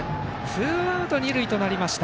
ツーアウト、二塁となりました。